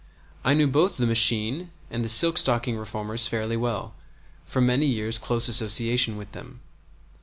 I knew both the machine and the silk stocking reformers fairly well, from many years' close association with them.